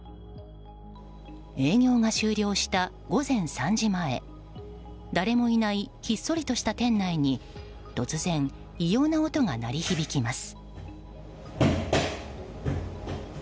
営業が終了した午前３時前誰もいないひっそりとした店内に突然、異様な音が鳴り響きます。